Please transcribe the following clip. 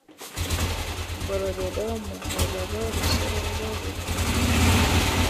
Ngororero Muhororo Rusororo Buhiro